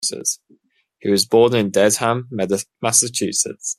He was born in Dedham, Massachusetts.